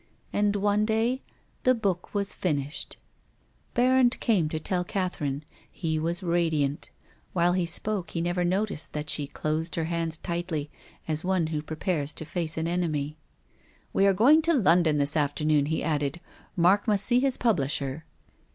And, one day, the book was finished. Berrand came to tell Catherine. He was radi ant. While he spoke he never noticed that she closed her hands tightly as one who prepares to face an enemy. " Wc are going to London this afternoon," he added. " Mark must sec his publisher."